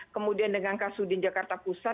kemudian dengan kasudin jakarta pusat